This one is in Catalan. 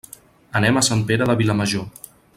Anem a Sant Pere de Vilamajor.